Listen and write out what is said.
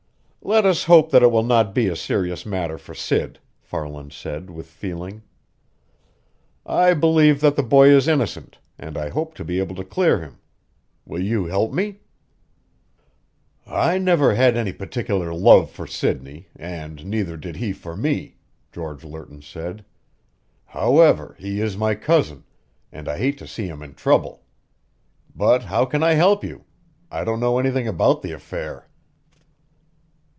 "Let us hope that it will not be a serious matter for Sid," Farland said with feeling. "I believe that the boy is innocent, and I hope to be able to clear him. Will you help me?" "I never had any particular love for Sidney, and neither did he for me," George Lerton said. "However, he is my cousin, and I hate to see him in trouble. But how can I help you? I don't know anything about the affair."